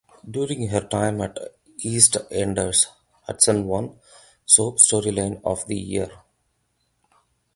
During her time at EastEnders Hutchison won Soap Storyline of the Year.